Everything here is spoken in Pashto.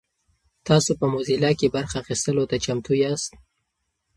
تاسو په موزیلا کې برخه اخیستلو ته چمتو یاست؟